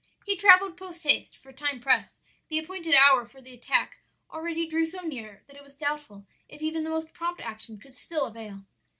"He travelled post haste, for time pressed; the appointed hour for the attack already drew so near that it was doubtful if even the most prompt action could still avail.